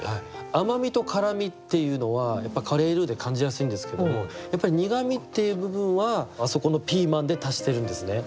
甘みと辛みっていうのはカレールーで感じやすいんですけども苦みっていう部分はあそこのピーマンで足してるんですね。